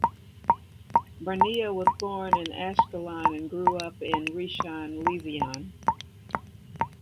Barnea was born in Ashkelon and grew up in Rishon Lezion.